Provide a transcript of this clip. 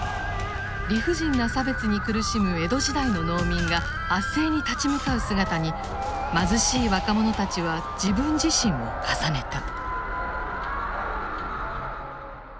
理不尽な差別に苦しむ江戸時代の農民が圧政に立ち向かう姿に貧しい若者たちは自分自身を重ねた。